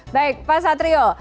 baik pak satrio